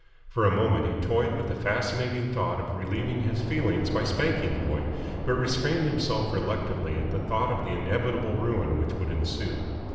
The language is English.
For a moment he toyed with the fascinating thought of relieving his feelings by spanking the boy, but restrained himself reluctantly at the thought of the inevitable ruin which would ensue.